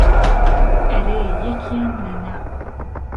ئهرێ یهکیان له ناوه